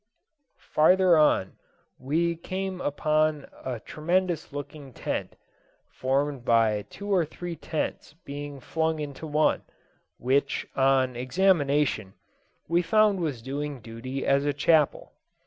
Farther on we came upon a tremendous looking tent, formed by two or three tents being flung into one, which, on examination, we found was doing duty as a chapel.